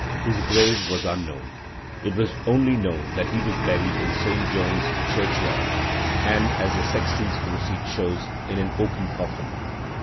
His grave was unknown. It was only known that he was buried in St. John's church yard, and, as the sexton's receipt shows, in an oaken coffin.